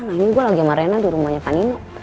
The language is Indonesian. nah ini gue lagi sama rina di rumahnya panino